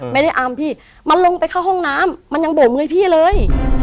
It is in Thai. ไม่ได้อำพี่มันลงไปเข้าห้องน้ำมันยังโบกมือให้พี่เลย